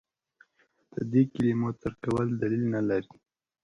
د دې کلمو ترک کول دلیل نه لري.